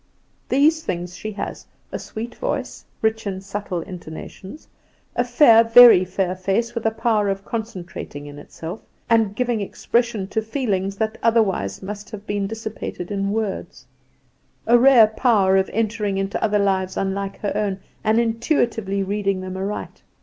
These things she has a sweet voice, rich in subtile intonations; a fair, very fair face, with a power of concentrating in itself, and giving expression to, feelings that otherwise must have been dissipated in words; a rare power of entering into other lives unlike her own, and intuitively reading them aright.